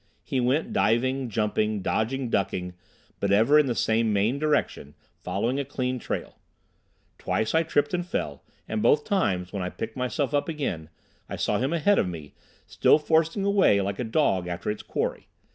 He went, diving, jumping, dodging, ducking, but ever in the same main direction, following a clean trail. Twice I tripped and fell, and both times, when I picked myself up again, I saw him ahead of me, still forcing a way like a dog after its quarry.